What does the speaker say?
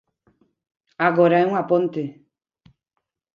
Agora é unha ponte.